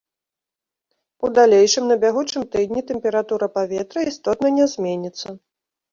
У далейшым на бягучым тыдні тэмпература паветра істотна не зменіцца.